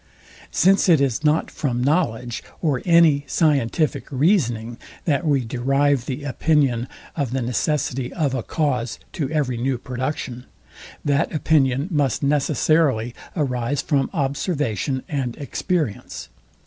Since it is not from knowledge or any scientific reasoning, that we derive the opinion of the necessity of a cause to every new production, that opinion must necessarily arise from observation and experience.